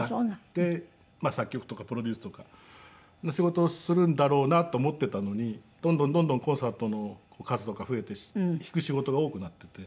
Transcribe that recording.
で作曲とかプロデュースとかの仕事をするんだろうなと思っていたのにどんどんどんどんコンサートの数とか増えて弾く仕事が多くなっていて。